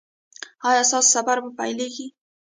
ایا ستاسو سفر به پیلیږي؟